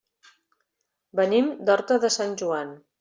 Venim de Horta de Sant Joan.